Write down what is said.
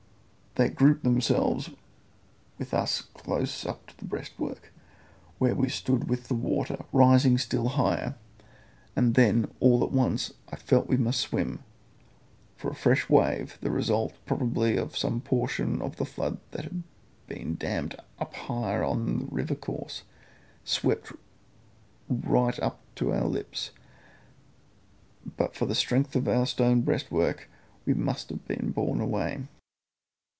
They grouped themselves with us close up to the breastwork, where we stood with the water rising still higher, and then all at once I felt that we must swim, for a fresh wave, the result probably of some portion of the flood that had been dammed up higher on the river course, swept upon us right to our lips, and but for the strength of our stone breastwork we must have been borne away.